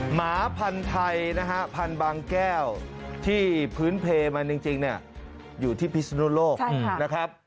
หมาพันธุ์ไทยนะฮะพันธุ์บางแก้วที่พื้นเพลมันจริงเนี่ยอยู่ที่พิศนุโลกนะครับ